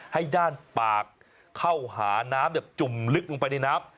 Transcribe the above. ให้ด้านปากเข้าหาน้ำจุ่มลึกลงไปในน้ำ